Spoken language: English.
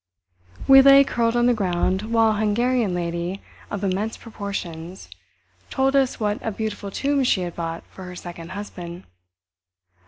We lay curled on the ground while a Hungarian lady of immense proportions told us what a beautiful tomb she had bought for her second husband.